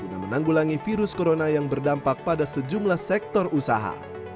guna menanggulangi virus corona yang berdampak pada sejumlah sektor usaha